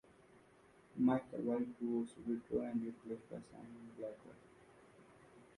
Michael White also withdrew and was replaced by Simon Blackwell.